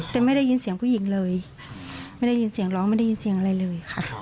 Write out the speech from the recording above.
แต่ไม่ได้ยินเสียงผู้หญิงเลยไม่ได้ยินเสียงร้องไม่ได้ยินเสียงอะไรเลยค่ะ